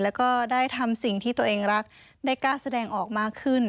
แล้วก็ได้ทำสิ่งที่ตัวเองรักได้กล้าแสดงออกมาขึ้น